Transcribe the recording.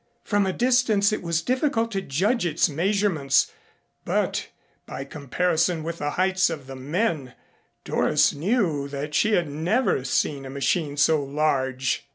From a distance it was difficult to judge its measurements, but by comparison with the heights of the men Doris knew that she had never seen a machine so large.